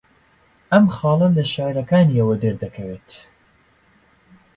ئەم خاڵە لە شێعرەکانییەوە دەردەکەوێت